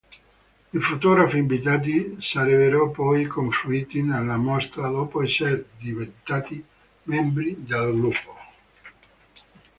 I fotografi invitati, sarebbero poi confluiti nella mostra, dopo esser diventati membri del gruppo.